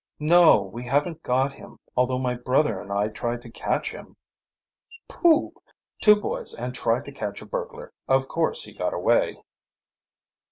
"No, we haven't got him, although my brother and I tried to catch him." "Pooh! Two boys, and tried to catch a burglar! Of course he got away."